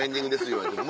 言われても。